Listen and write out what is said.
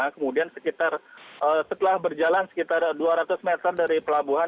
kemudian sekitar setelah berjalan sekitar dua ratus meter dari pelabuhan